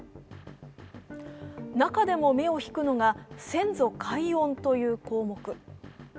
中でも目を引くのが先祖解怨という項目。